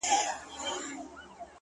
ستا وه ديدن ته هواداره يمه’